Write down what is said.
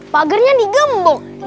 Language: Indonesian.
pak gernya digembok